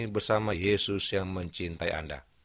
bersama yesus yang mencintai anda